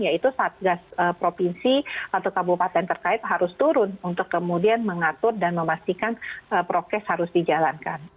yaitu satgas provinsi atau kabupaten terkait harus turun untuk kemudian mengatur dan memastikan prokes harus dijalankan